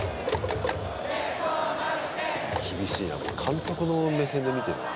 厳しいなこれ監督の目線で見てるな。